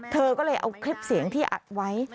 เธอก็เลยเอาคลิปเสียงที่อัดไว้